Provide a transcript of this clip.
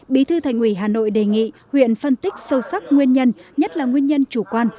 bí thư thành ủy hà nội đề nghị huyện phân tích sâu sắc nguyên nhân nhất là nguyên nhân chủ quan